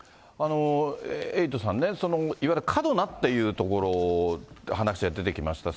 エイトさんね、いわゆる過度なっていうところ、話で出てきました。